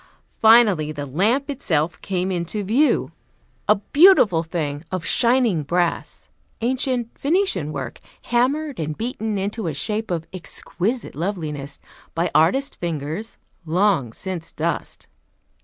Finally the lamp itself came into view, a beautiful thing of shining brass; ancient Venetian work, hammered and beaten into a shape of exquisite loveliness by artist fingers, long since dust.